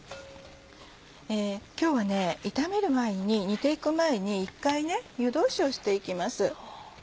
今日は炒める前に煮て行く前に一回湯通しをして行きます。